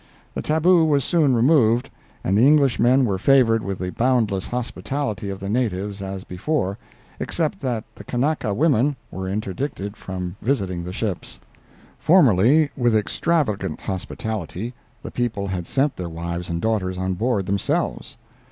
The tabu was soon removed, and the Englishmen were favored with the boundless hospitality of the natives as before, except that the Kanaka women were interdicted from visiting the ships; formerly, with extravagant hospitality, the people had sent their wives and daughters on board themselves.